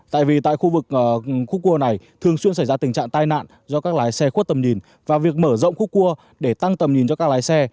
tại vì tại khu vực khúc cua này thường xuyên xảy ra tình trạng tai nạn do các lái xe khuất tầm nhìn và việc mở rộng khúc cua để tăng tầm nhìn cho các lái xe